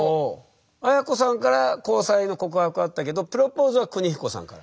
綾子さんから交際の告白はあったけどプロポーズは邦彦さんから？